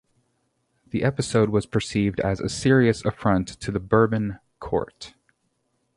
The episode was perceived as a serious affront to the Bourbon court.